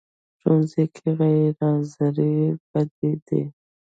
ښوونځی کې غیر حاضرې بدې دي